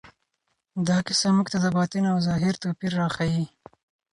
دا کیسه موږ ته د باطن او ظاهر توپیر راښيي.